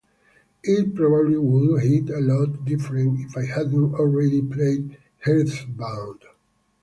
It probably would hit a lot different if I hadn't already played Earthbound.